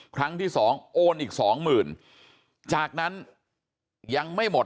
ครั้งที่๒โอนอีก๒๐๐๐๐จากนั้นยังไม่หมด